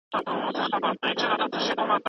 نرخونه باید په کلکه کنټرول شي.